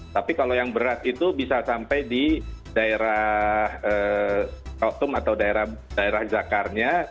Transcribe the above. tapi kalau yang berat itu bisa sampai di daerah kautum atau daerah zakarnya